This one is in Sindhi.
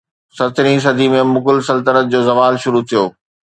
سترهين صديءَ ۾ مغل سلطنت جو زوال شروع ٿيو